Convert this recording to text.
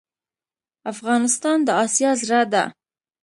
افغانستان د آسیا زړه ده.